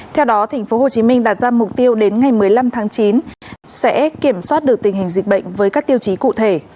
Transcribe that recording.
theo đó tp hcm đặt ra mục tiêu đến ngày một mươi năm tháng chín sẽ kiểm soát được tình hình dịch bệnh với các tiêu chí cụ thể